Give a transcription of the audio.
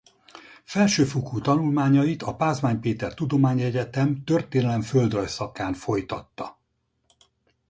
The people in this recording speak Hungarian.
Felsőfokú tanulmányait a Pázmány Péter Tudományegyetem történelem–földrajz szakán folytatta.